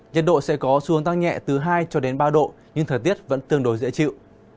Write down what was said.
nhật độ sẽ có xu hướng tăng nhẹ từ hai ba độ nhưng thời tiết vẫn tương đối dễ chịu